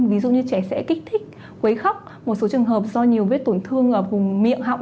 ví dụ như trẻ sẽ kích thích quấy khóc một số trường hợp do nhiều vết tổn thương ở vùng miệng họng